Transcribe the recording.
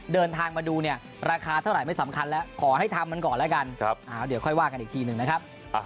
เดินทางมาดูเนี่ยราคาเท่าไหร่ไม่สำคัญแล้วขอให้ทำมันก่อนแล้วกันเดี๋ยวค่อยว่ากันอีกทีหนึ่งนะครับ